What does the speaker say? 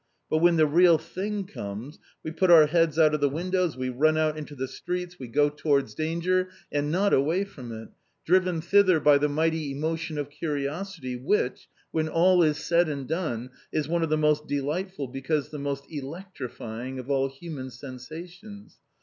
But when the real thing comes we put our heads out of the windows, we run out into the streets, we go towards danger and not away from it, driven thither by the mighty emotion of Curiosity, which, when all is said and done, is one of the most delightful because the most electrifying of all human sensations.